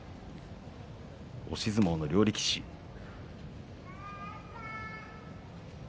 押し相撲の両力士です。